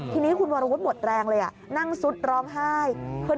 ทีนี้คุณวรวุฒิหมดแรงเลยนั่งซุดร้องไห้